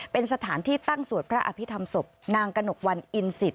เป็นสถานที่ตั้งสวดพระอภิษฐรรมศพนางกระหนกวันอินสิท